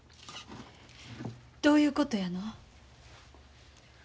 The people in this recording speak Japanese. どういうことやの？